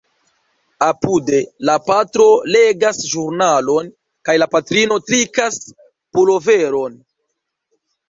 Apude, la patro legas ĵurnalon kaj la patrino trikas puloveron...